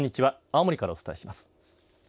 青森からお伝えします。